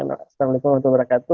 assalamualaikum wr wb